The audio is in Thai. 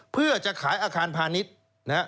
เพื่อจะขายอาคารพาณิชย์นะฮะ